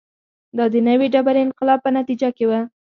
دا د نوې ډبرې انقلاب په نتیجه کې و